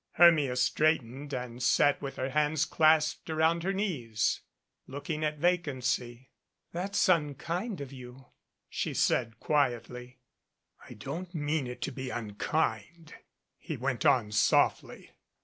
Hermia straightened and sat with her hands clasped around her knees, looking at vacancy. "That's unkind of you," she said quietly. "I don't mean it to be unkind," he went on softly.